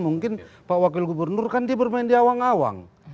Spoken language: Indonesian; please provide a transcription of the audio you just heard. mungkin pak wakil gubernur kan dia bermain diawang awang